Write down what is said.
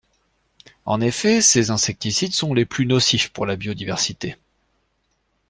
En effet, ces insecticides sont les plus nocifs pour la biodiversité.